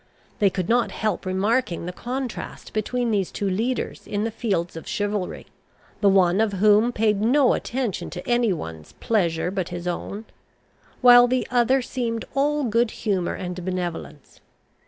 They could not help remarking the contrast between these two leaders in the fields of chivalry, the one of whom paid no attention to any one's pleasure but his own, while the other seemed all good humour and benevolence.